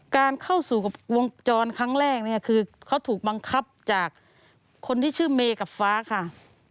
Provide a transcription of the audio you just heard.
การเข้าสู่กับวงจรครั้งแรกเนี่ยคือเขาถูกบังคับจากคนที่ชื่อเมย์กับฟ้าค่ะ